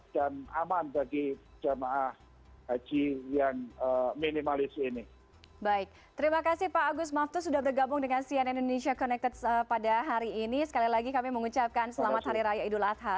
dan aman bagi jamaah haji yang minimalis ini